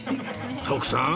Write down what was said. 徳さん